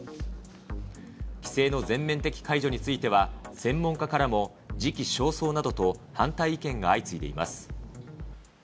規制の全面的解除については、専門家からも時期尚早などと反対意見が相次いでいます。